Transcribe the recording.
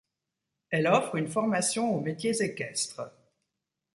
Elle offre une formation aux métiers équestres.